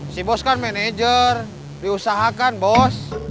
si bos kan manajer diusahakan bos